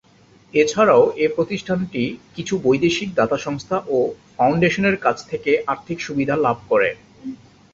এছাড়াও এই প্রতিষ্ঠানটি কিছু বৈদেশিক দাতা সংস্থা ও ফাউন্ডেশনের কাছ থেকে আর্থিক সুবিধা লাভ করে।